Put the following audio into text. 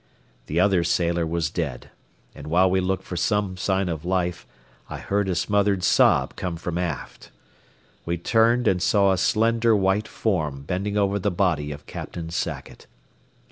The other sailor was dead, and while we looked for some sign of life, I heard a smothered sob come from aft. We turned and saw a slender white form bending over the body of Captain Sackett.